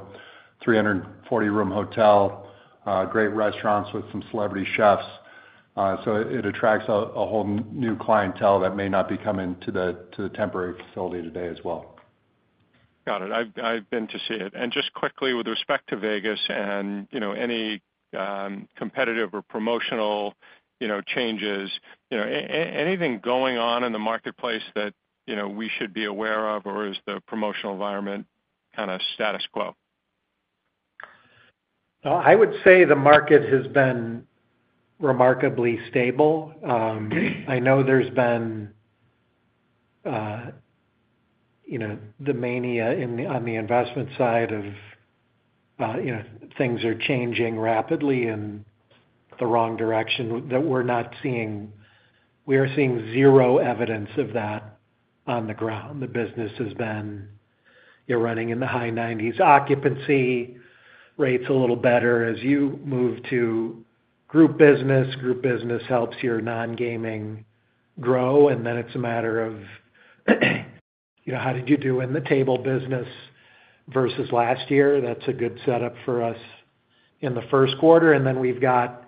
340-room hotel, great restaurants with some celebrity chefs. So it attracts a whole new clientele that may not be coming to the temporary facility today as well. Got it. I've been to see it, and just quickly, with respect to Vegas and any competitive or promotional changes, anything going on in the marketplace that we should be aware of, or is the promotional environment kind of status quo? I would say the market has been remarkably stable. I know there's been the mania on the investment side of things are changing rapidly in the wrong direction that we're not seeing. We are seeing zero evidence of that on the ground. The business has been running in the high 90s. Occupancy rates a little better as you move to group business. Group business helps your non-gaming grow. And then it's a matter of how did you do in the table business versus last year? That's a good setup for us in the first quarter. And then we've got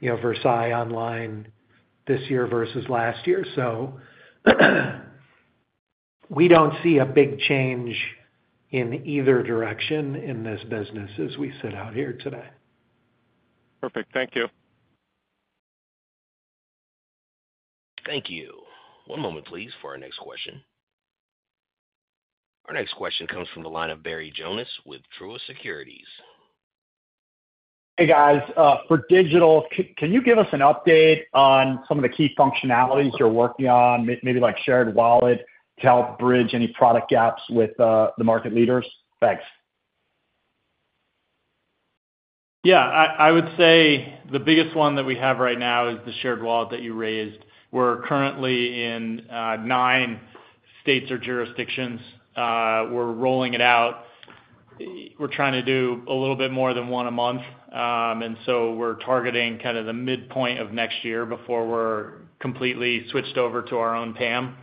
Versailles online this year versus last year. So we don't see a big change in either direction in this business as we sit out here today. Perfect. Thank you. Thank you. One moment, please, for our next question. Our next question comes from the line of Barry Jonas with Truist Securities. Hey, guys. For digital, can you give us an update on some of the key functionalities you're working on, maybe like shared wallet to help bridge any product gaps with the market leaders? Thanks. Yeah. I would say the biggest one that we have right now is the shared wallet that you raised. We're currently in nine states or jurisdictions. We're rolling it out. We're trying to do a little bit more than one a month. And so we're targeting kind of the midpoint of next year before we're completely switched over to our own PAM.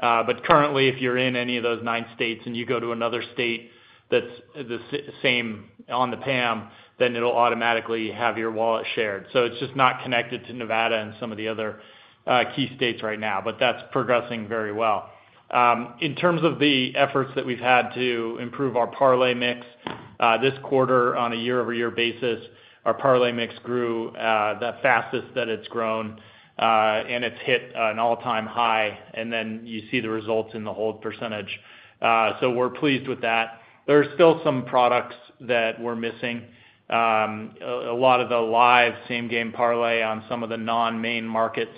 But currently, if you're in any of those nine states and you go to another state that's the same on the PAM, then it'll automatically have your wallet shared. So it's just not connected to Nevada and some of the other key states right now, but that's progressing very well. In terms of the efforts that we've had to improve our parlay mix, this quarter, on a year-over-year basis, our parlay mix grew the fastest that it's grown, and it's hit an all-time high. And then you see the results in the hold percentage. So we're pleased with that. There are still some products that we're missing. A lot of the live same-game parlay on some of the non-main markets,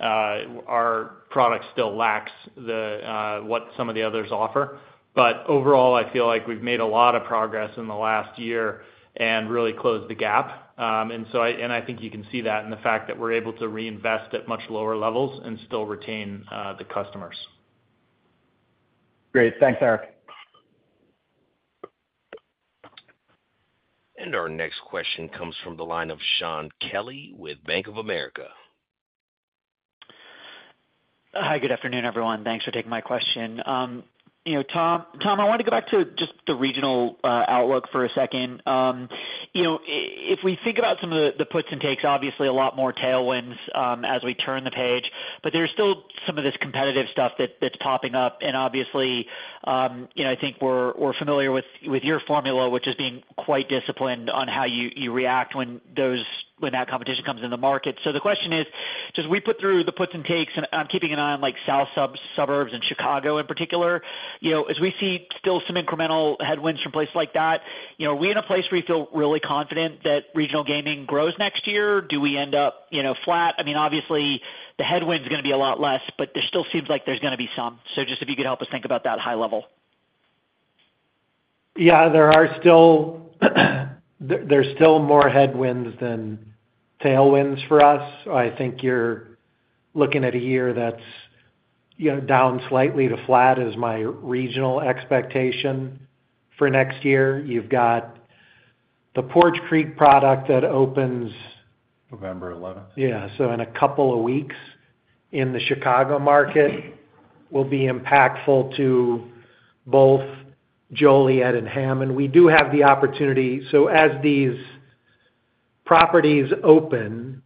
our product still lacks what some of the others offer. But overall, I feel like we've made a lot of progress in the last year and really closed the gap. And I think you can see that in the fact that we're able to reinvest at much lower levels and still retain the customers. Great. Thanks, Eric. Our next question comes from the line of Shaun Kelley with Bank of America. Hi, good afternoon, everyone. Thanks for taking my question. Tom, I want to go back to just the regional outlook for a second. If we think about some of the puts and takes, obviously, a lot more tailwinds as we turn the page, but there's still some of this competitive stuff that's popping up, and obviously, I think we're familiar with your formula, which is being quite disciplined on how you react when that competition comes in the market, so the question is, as we put through the puts and takes, and I'm keeping an eye on South Suburbs and Chicago in particular, as we see still some incremental headwinds from places like that, are we in a place where you feel really confident that regional gaming grows next year? Do we end up flat? I mean, obviously, the headwinds are going to be a lot less, but there still seems like there's going to be some. So just if you could help us think about that high level. Yeah. There are still more headwinds than tailwinds for us. I think you're looking at a year that's down slightly to flat is my regional expectation for next year. You've got the Wind Creek product that opens. November 11th. Yeah. So in a couple of weeks in the Chicago market will be impactful to both Joliet and Hammond. We do have the opportunity. So as these properties open,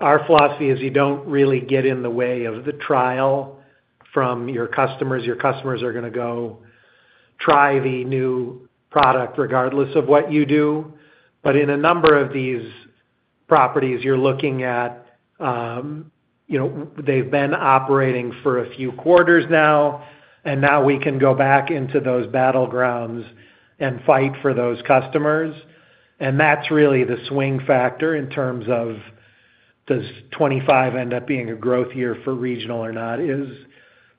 our philosophy is you don't really get in the way of the trial from your customers. Your customers are going to go try the new product regardless of what you do. But in a number of these properties, you're looking at they've been operating for a few quarters now, and now we can go back into those battlegrounds and fight for those customers. And that's really the swing factor in terms of does '25 end up being a growth year for regional or not is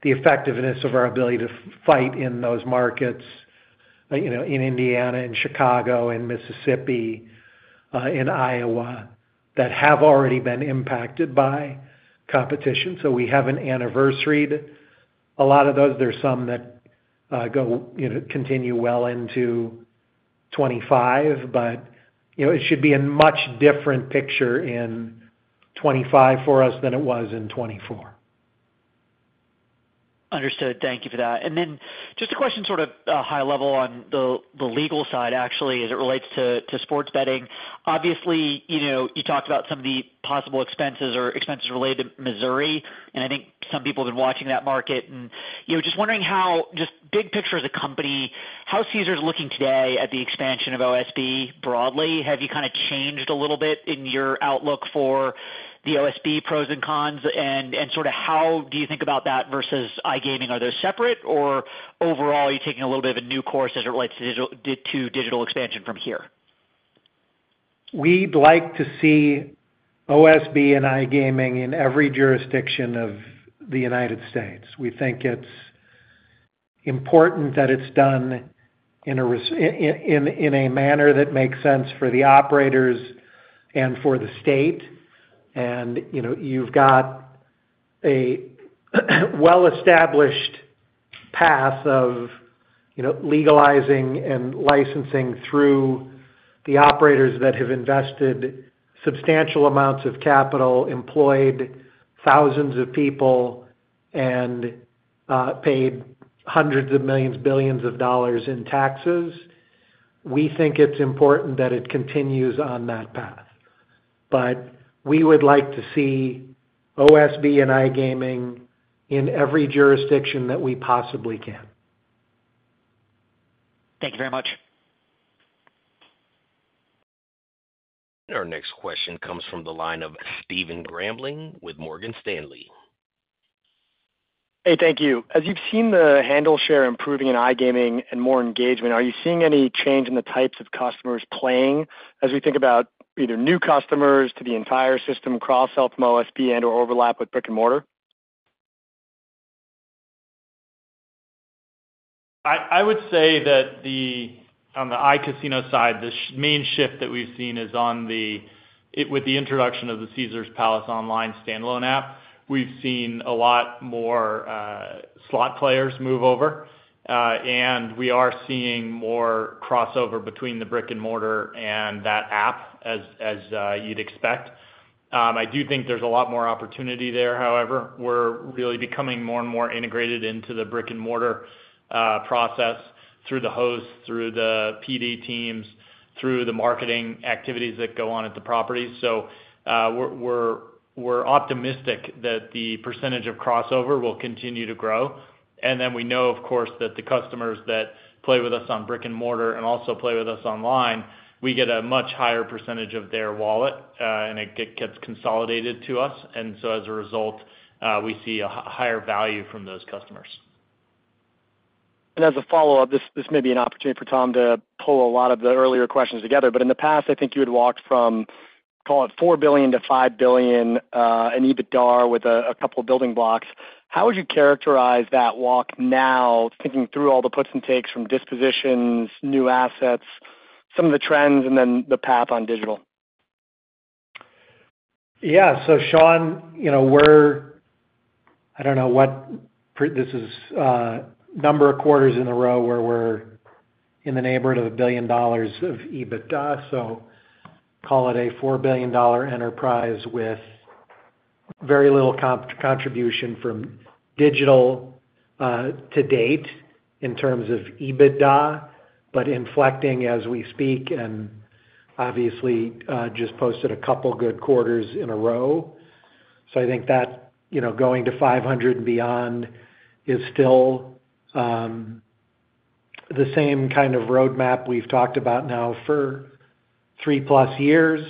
the effectiveness of our ability to fight in those markets in Indiana, in Chicago, in Mississippi, in Iowa that have already been impacted by competition. So we have an anniversary to a lot of those. There's some that continue well into 2025, but it should be a much different picture in 2025 for us than it was in 2024. Understood. Thank you for that. And then just a question sort of high level on the legal side, actually, as it relates to sports betting. Obviously, you talked about some of the possible expenses or expenses related to Missouri, and I think some people have been watching that market. And just wondering how, just big picture as a company, how Caesars is looking today at the expansion of OSB broadly. Have you kind of changed a little bit in your outlook for the OSB pros and cons? And sort of how do you think about that versus iGaming? Are those separate, or overall, are you taking a little bit of a new course as it relates to digital expansion from here? We'd like to see OSB and iGaming in every jurisdiction of the United States. We think it's important that it's done in a manner that makes sense for the operators and for the state, and you've got a well-established path of legalizing and licensing through the operators that have invested substantial amounts of capital, employed thousands of people, and paid hundreds of millions, billions of dollars in taxes. We think it's important that it continues on that path, but we would like to see OSB and iGaming in every jurisdiction that we possibly can. Thank you very much. Our next question comes from the line of Stephen Grambling with Morgan Stanley. Hey, thank you. As you've seen the handle share improving in iGaming and more engagement, are you seeing any change in the types of customers playing as we think about either new customers to the entire system, cross-sell from OSB and/or overlap with brick and mortar? I would say that on the iCasino side, the main shift that we've seen is with the introduction of the Caesars Palace online standalone app. We've seen a lot more slot players move over, and we are seeing more crossover between the brick and mortar and that app, as you'd expect. I do think there's a lot more opportunity there, however. We're really becoming more and more integrated into the brick and mortar process through the host, through the PD teams, through the marketing activities that go on at the properties. So we're optimistic that the percentage of crossover will continue to grow. And then we know, of course, that the customers that play with us on brick and mortar and also play with us online, we get a much higher percentage of their wallet, and it gets consolidated to us. And so, as a result, we see a higher value from those customers. And as a follow-up, this may be an opportunity for Tom to pull a lot of the earlier questions together. But in the past, I think you had walked from, call it $4 billion-$5 billion, an EBITDA with a couple of building blocks. How would you characterize that walk now, thinking through all the puts and takes from dispositions, new assets, some of the trends, and then the path on digital? Yeah. So, Sean, we're - I don't know what this is - number of quarters in a row where we're in the neighborhood of $1 billion of EBITDA. So call it a $4 billion enterprise with very little contribution from digital to date in terms of EBITDA, but inflecting as we speak and obviously just posted a couple of good quarters in a row. So I think that going to 500 and beyond is still the same kind of roadmap we've talked about now for three-plus years.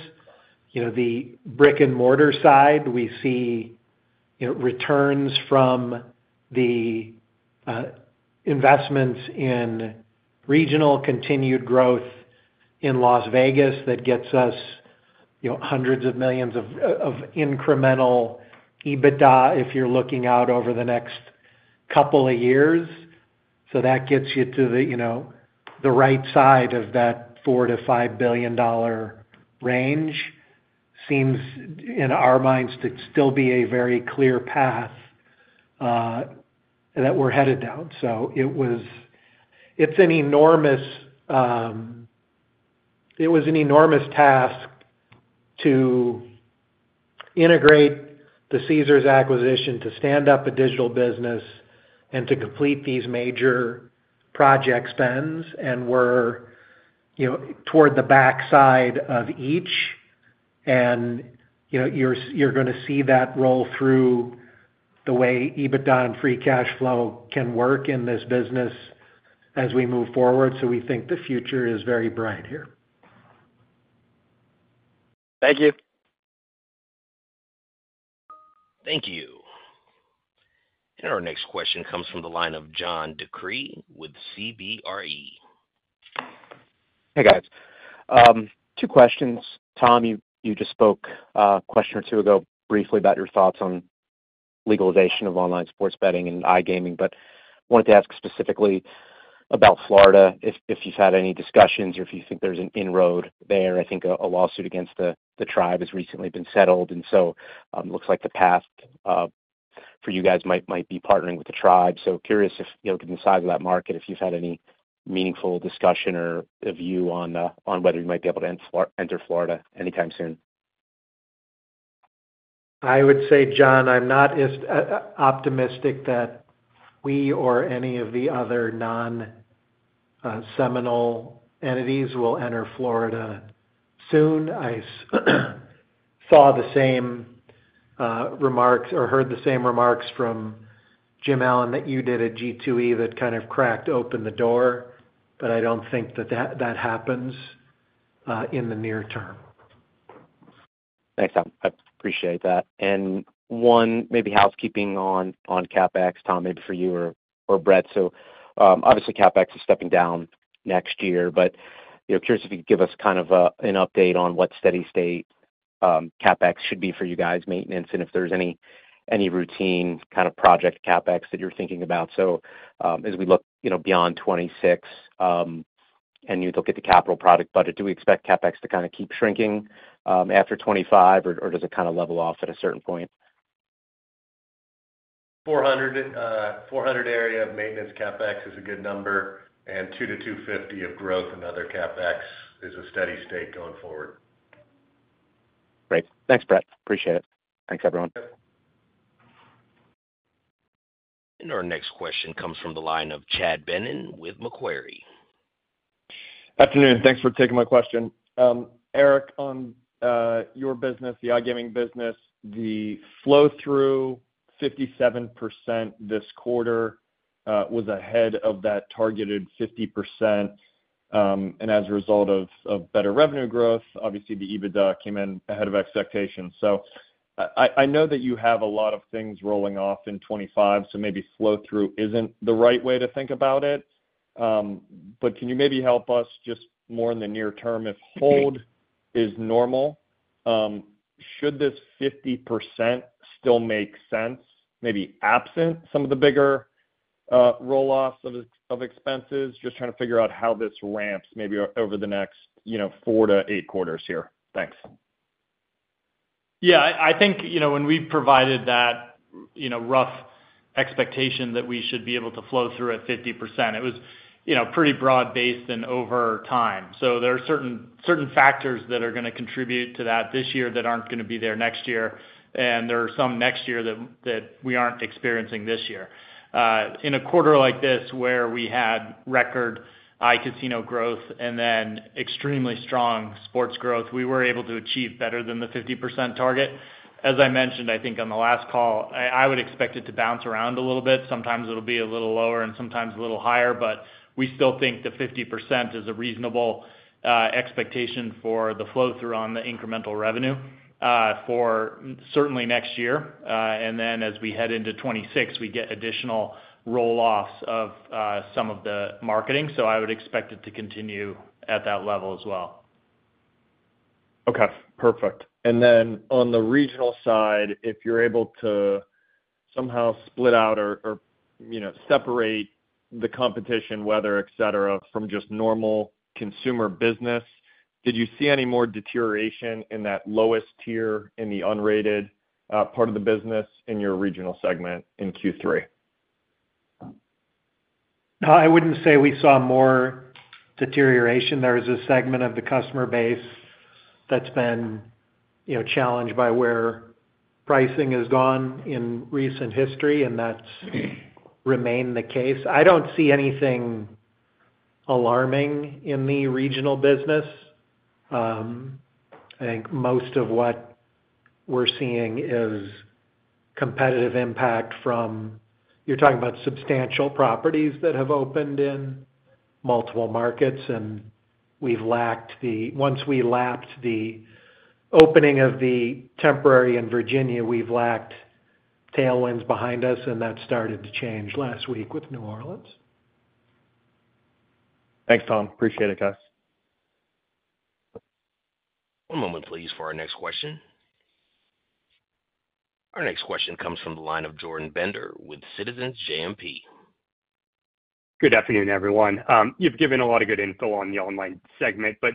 The brick and mortar side, we see returns from the investments in regional continued growth in Las Vegas that gets us hundreds of millions of incremental EBITDA if you're looking out over the next couple of years. So that gets you to the right side of that $4 billion-$5 billion range. seems in our minds to still be a very clear path that we're headed down. So it's an enormous, it was an enormous task to integrate the Caesars acquisition to stand up a digital business and to complete these major project spends. And we're toward the backside of each, and you're going to see that roll through the way EBITDA and free cash flow can work in this business as we move forward. So we think the future is very bright here. Thank you. Thank you. And our next question comes from the line of John DeCree with CBRE. Hey, guys. Two questions. Tom, you just spoke a question or two ago briefly about your thoughts on legalization of online sports betting and iGaming, but wanted to ask specifically about Florida, if you've had any discussions or if you think there's an inroad there. I think a lawsuit against the tribe has recently been settled, and so it looks like the path for you guys might be partnering with the tribe. So, curious if you look at the size of that market, if you've had any meaningful discussion or view on whether you might be able to enter Florida anytime soon? I would say, John, I'm not optimistic that we or any of the other non-Seminole entities will enter Florida soon. I saw the same remarks or heard the same remarks from Jim Allen that you did at G2E that kind of cracked open the door, but I don't think that that happens in the near term. Thanks, Tom. I appreciate that. One maybe housekeeping on CapEx, Tom, maybe for you or Bret. So obviously, CapEx is stepping down next year, but curious if you could give us kind of an update on what steady state CapEx should be for you guys' maintenance and if there's any routine kind of project CapEx that you're thinking about. So as we look beyond 2026 and you look at the capital project budget, do we expect CapEx to kind of keep shrinking after 2025, or does it kind of level off at a certain point? million area of maintenance CapEx is a good number, and $200 million-$250 million of growth in other CapEx is a steady state going forward. Great. Thanks, Bret. Appreciate it. Thanks, everyone. Our next question comes from the line of Chad Beynon with Macquarie. Afternoon. Thanks for taking my question. Eric, on your business, the iGaming business, the flow-through 57% this quarter was ahead of that targeted 50%. And as a result of better revenue growth, obviously, the EBITDA came in ahead of expectations. So I know that you have a lot of things rolling off in 2025, so maybe flow-through isn't the right way to think about it. But can you maybe help us just more in the near term if hold is normal? Should this 50% still make sense, maybe absent some of the bigger roll-offs of expenses? Just trying to figure out how this ramps maybe over the next four to eight quarters here. Thanks. Yeah. I think when we provided that rough expectation that we should be able to flow through at 50%, it was pretty broad-based and over time, so there are certain factors that are going to contribute to that this year that aren't going to be there next year, and there are some next year that we aren't experiencing this year. In a quarter like this where we had record iCasino growth and then extremely strong sports growth, we were able to achieve better than the 50% target. As I mentioned, I think on the last call, I would expect it to bounce around a little bit. Sometimes it'll be a little lower and sometimes a little higher, but we still think the 50% is a reasonable expectation for the flow-through on the incremental revenue for certainly next year. And then as we head into 2026, we get additional roll-offs of some of the marketing. So I would expect it to continue at that level as well. Okay. Perfect. And then on the regional side, if you're able to somehow split out or separate the competition, weather, etc., from just normal consumer business, did you see any more deterioration in that lowest tier in the unrated part of the business in your regional segment in Q3? I wouldn't say we saw more deterioration. There is a segment of the customer base that's been challenged by where pricing has gone in recent history, and that's remained the case. I don't see anything alarming in the regional business. I think most of what we're seeing is competitive impact from—you're talking about substantial properties that have opened in multiple markets, and we've lacked the—once we lapped the opening of the temporary in Virginia, we've lacked tailwinds behind us, and that started to change last week with New Orleans. Thanks, Tom. Appreciate it, guys. One moment, please, for our next question. Our next question comes from the line of Jordan Bender with Citizens JMP. Good afternoon, everyone. You've given a lot of good info on the online segment, but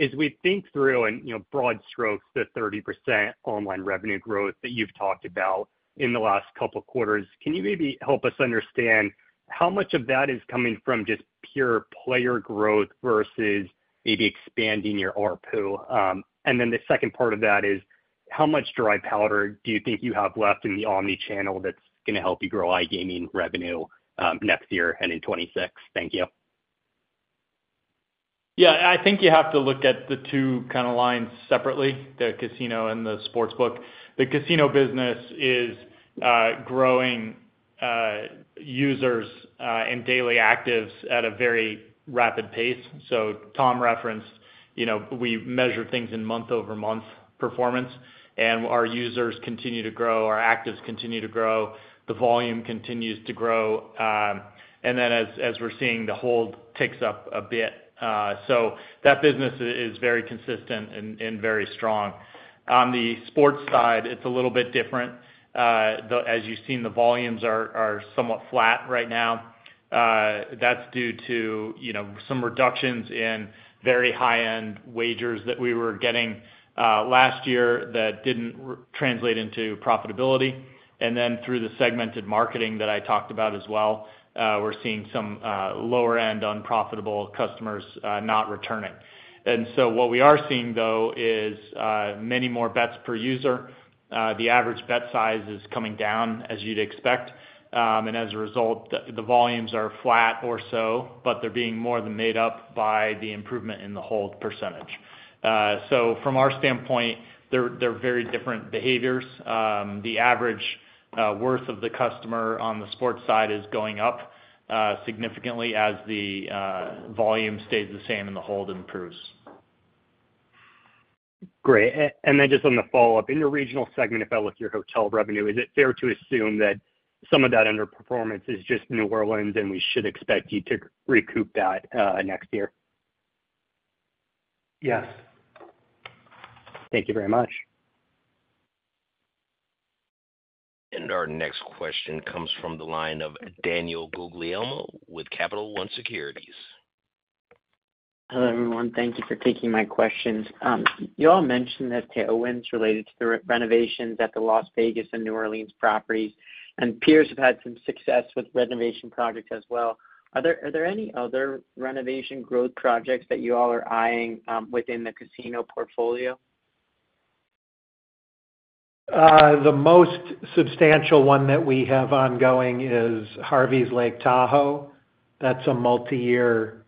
as we think through and broad strokes the 30% online revenue growth that you've talked about in the last couple of quarters, can you maybe help us understand how much of that is coming from just pure player growth versus maybe expanding your ARPU? And then the second part of that is how much dry powder do you think you have left in the omnichannel that's going to help you grow iGaming revenue next year and in 2026? Thank you. Yeah. I think you have to look at the two kind of lines separately, the casino and the sportsbook. The casino business is growing users and daily actives at a very rapid pace. So Tom referenced, we measure things in month-over-month performance, and our users continue to grow, our actives continue to grow, the volume continues to grow. And then as we're seeing, the hold ticks up a bit. So that business is very consistent and very strong. On the sports side, it's a little bit different. As you've seen, the volumes are somewhat flat right now. That's due to some reductions in very high-end wagers that we were getting last year that didn't translate into profitability. And then through the segmented marketing that I talked about as well, we're seeing some lower-end unprofitable customers not returning. And so what we are seeing, though, is many more bets per user. The average bet size is coming down, as you'd expect. And as a result, the volumes are flat or so, but they're being more than made up by the improvement in the hold percentage. So from our standpoint, they're very different behaviors. The average worth of the customer on the sports side is going up significantly as the volume stays the same and the hold improves. Great. And then just on the follow-up, in your regional segment, if I look at your hotel revenue, is it fair to assume that some of that underperformance is just New Orleans and we should expect you to recoup that next year? Yes. Thank you very much. Our next question comes from the line of Daniel Guglielmo with Capital One Securities. Hello, everyone. Thank you for taking my questions. You all mentioned that tailwinds related to the renovations at the Las Vegas and New Orleans properties, and peers have had some success with renovation projects as well. Are there any other renovation growth projects that you all are eyeing within the casino portfolio? The most substantial one that we have ongoing is Harveys Lake Tahoe. That's a multi-year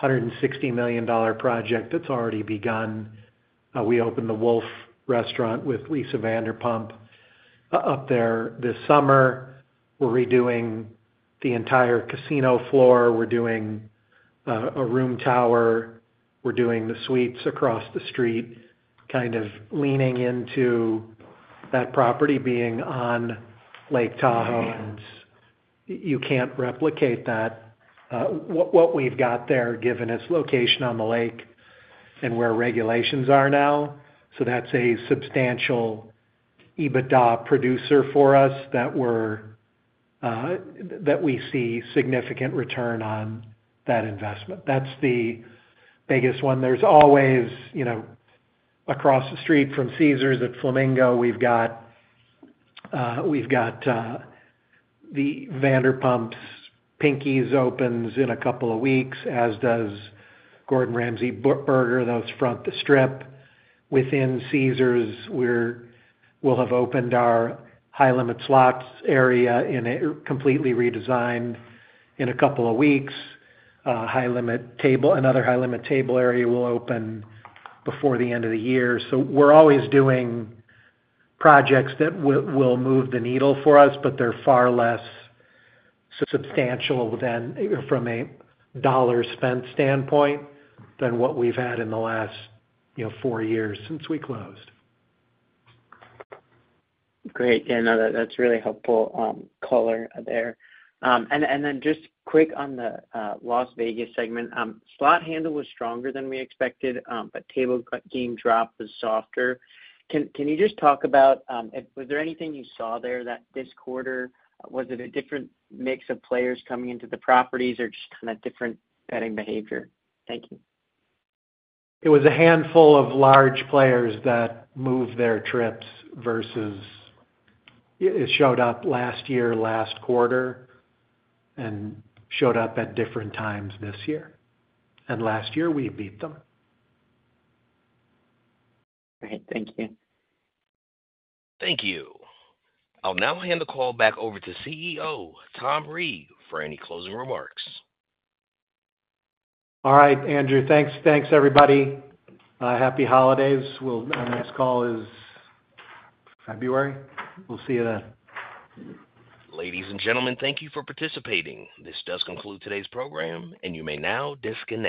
$160 million project that's already begun. We opened the Wolf restaurant with Lisa Vanderpump up there this summer. We're redoing the entire casino floor. We're doing a room tower. We're doing the suites across the street, kind of leaning into that property being on Lake Tahoe, and you can't replicate that. What we've got there, given its location on the lake and where regulations are now, so that's a substantial EBITDA producer for us that we see significant return on that investment. That's the biggest one. There's always across the street from Caesars at Flamingo, we've got the Vanderpump's Pinky's opens in a couple of weeks, as does Gordon Ramsay Burger, those front the Strip. Within Caesars, we'll have opened our high-limit slots area and completely redesigned in a couple of weeks. Another high-limit table area will open before the end of the year. So we're always doing projects that will move the needle for us, but they're far less substantial from a dollar spend standpoint than what we've had in the last four years since we closed. Great. Yeah. No, that's really helpful color there. And then just quick on the Las Vegas segment, slot handle was stronger than we expected, but table game drop was softer. Can you just talk about was there anything you saw there that this quarter was it a different mix of players coming into the properties or just kind of different betting behavior? Thank you. It was a handful of large players that moved their trips versus it showed up last year, last quarter, and showed up at different times this year, and last year, we beat them. All right. Thank you. Thank you. I'll now hand the call back over to CEO Tom Reeg for any closing remarks. All right, Andrew. Thanks, everybody. Happy holidays. Our next call is February. We'll see you then. Ladies and gentlemen, thank you for participating. This does conclude today's program, and you may now disconnect.